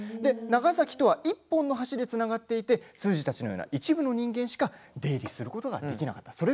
長崎とは１本の橋でつながっていて通詞たちのような一部の人間しか出入りすることができなかった。